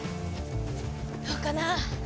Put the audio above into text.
どうかな。